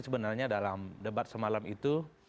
sebenarnya dalam debat semalam itu